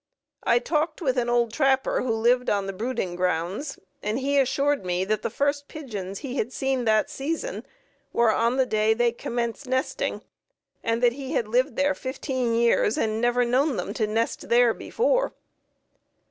I talked with an old trapper who lived on the brooding grounds, and he assured me that the first pigeons he had seen that season were on the day they commenced nesting and that he had lived there fifteen years and never known them to nest there before.